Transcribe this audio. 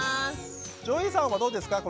ＪＯＹさんはどうですか？